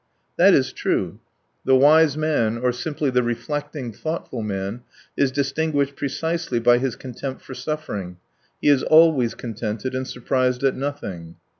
That is true. The wise man, or simply the reflecting, thoughtful man, is distinguished precisely by his contempt for suffering; he is always contented and surprised at nothing."